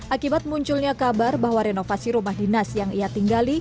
akibat munculnya kabar bahwa renovasi rumah dinas yang ia tinggali